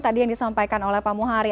tadi yang disampaikan oleh pak muhari